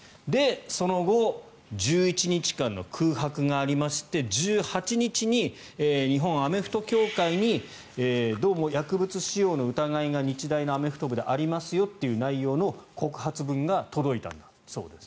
その後１１日間の空白がありまして１８日に日本アメフト協会にどうも薬物使用の疑いが日大のアメフト部でありますよという内容の告発文が届いたんだそうです。